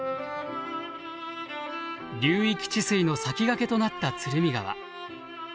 流域治水の先駆けとなった鶴見川。